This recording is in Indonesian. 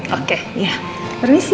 tante aku mau berbicara